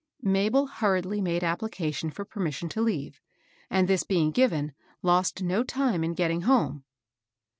Mabel hmriedly made application for permission to leave, and this being given, lost no time in get ting home.